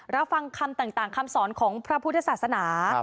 รับฟังคำต่างคำสอนของพระพุทธศาสนา